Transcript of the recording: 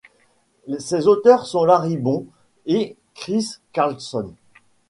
Ses auteurs sont Larry Bond et Chris Carlson.